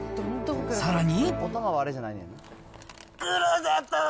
さらに。